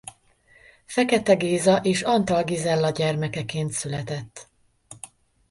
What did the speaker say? Fekete Géza és Antal Gizella gyermekeként született.